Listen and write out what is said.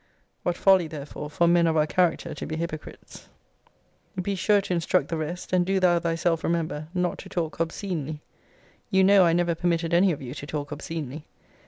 What folly, therefore, for men of our character to be hypocrites! Be sure to instruct the rest, and do thou thyself remember, not to talk obscenely. You know I never permitted any of you to talk obscenely.